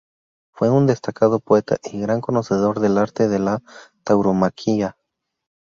Fue un destacado poeta y gran conocedor del arte de la tauromaquia.